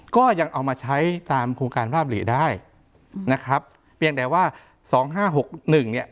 ก็ยังเอามาใช้ตามโครงการภาพหลีได้นะครับเพียงแต่ว่าสองห้าหกหนึ่งเนี่ย